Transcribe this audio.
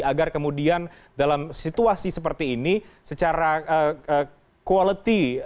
agar kemudian dalam situasi seperti ini secara kualitas pendidikannya tidak terlalu banyak yang diperbaiki